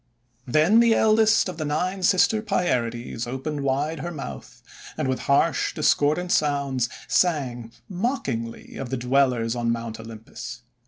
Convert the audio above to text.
Then the eldest of the Nine Sister Pierides opened wide her mouth, and with harsh, discord THE MAGPIE MAIDENS 93 ant sounds sang mockingly of the Dwellers on Mount Olympus.